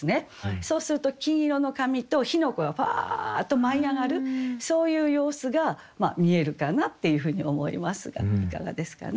そうすると金色の紙と火の粉がパーッと舞い上がるそういう様子が見えるかなっていうふうに思いますがいかがですかね？